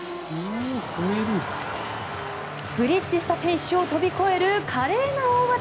ブリッジした選手を飛び越える華麗な大技。